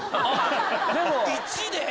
１で？